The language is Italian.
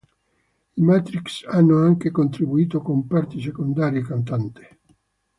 I Matrix hanno anche contribuito con parti secondarie cantate.